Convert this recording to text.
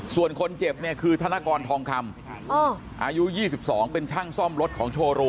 ส่วนคนเจ็บเนี่ยคือธนกรทองคำอายุ๒๒เป็นช่างซ่อมรถของโชว์รู